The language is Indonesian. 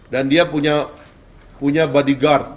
dan dia punya bodyguard